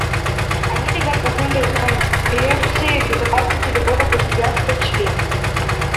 Они лежат в основе концепций безопасности любого государства-члена.